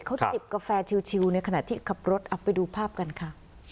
เขาจิบกาแฟชิวในขณะที่ขับรถเอาไปดูภาพกันค่ะ